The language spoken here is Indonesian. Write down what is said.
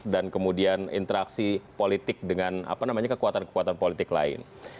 dan kemudian interaksi politik dengan kekuatan kekuatan politik lain